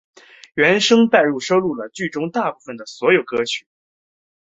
原声带中收录了剧中大部份的所有歌曲。